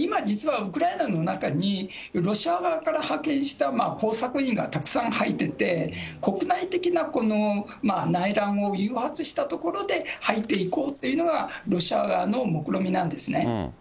今、実は、ウクライナの中に、ロシア側から派遣した工作員がたくさん入ってて、国内的な内乱を誘発したところで入っていこうっていうのが、ロシア側のもくろみなんですね。